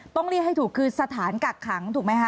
ต้องเรียกให้ถูกคือสถานกักขังถูกไหมคะ